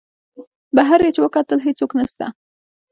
بهر یې چې وکتل هېڅوک نسته.